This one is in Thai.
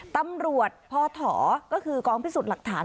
ตำรวจพอถก็คือกองพิสูจน์หลักฐาน